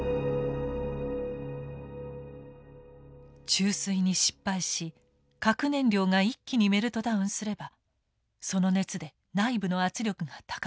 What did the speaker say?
注水に失敗し核燃料が一気にメルトダウンすればその熱で内部の圧力が高まります。